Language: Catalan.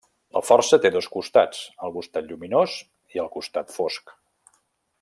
La Força té dos costats, el Costat Lluminós i el Costat Fosc.